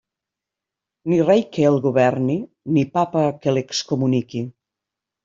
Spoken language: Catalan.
Ni rei que el governi, ni Papa que l'excomuniqui.